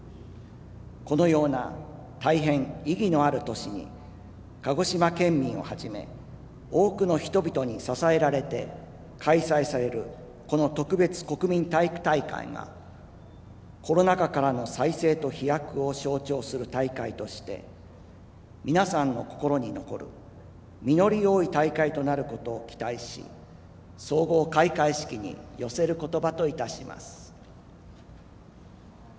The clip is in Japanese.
このような大変意義のある年に鹿児島県民を始め多くの人々に支えられて開催されるこの特別国民体育大会が「コロナ禍からの再生と飛躍」を象徴する大会として皆さんの心に残る実り多い大会となることを期待し総合開会式に寄せる言葉といたします。